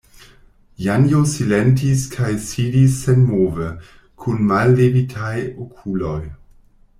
Janjo silentis kaj sidis senmove kun mallevitaj okuloj.